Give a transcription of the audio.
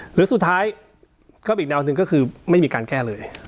หรือสุดท้ายก็อีกแนวหนึ่งก็คือไม่มีการแก้เลย